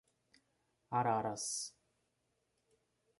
Araras